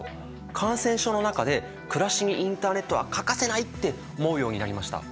感染症の中で暮らしにインターネットは欠かせないって思うようになりました。